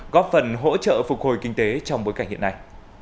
góp phần hỗ trợ phục hồi kinh tế trong bối cảnh hiện nay